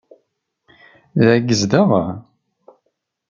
Da i yezdeɣ?